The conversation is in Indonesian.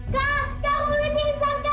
kak kak ruli pingsan kak